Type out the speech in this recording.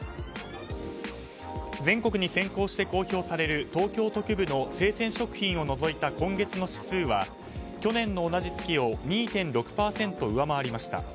全国に先行して公表される東京都区部の生鮮食品を除いた今月の指数は去年の同じ月を２．６％上回りました。